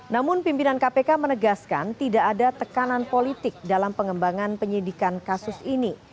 namun pimpinan kpk menegaskan tidak ada tekanan politik dalam pengembangan penyidikan kasus ini